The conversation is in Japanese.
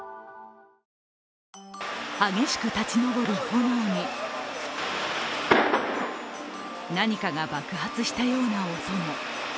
激しく立ち上る炎に何かが爆発したような音も。